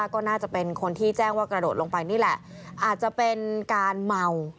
ก็น่าจะเป็นคนที่แจ้งว่ากระโดดลงไปนี่แหละอาจจะเป็นการเมา